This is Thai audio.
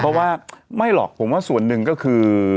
เพราะว่าไม่หรอกผมว่าส่วนหนึ่งก็คือ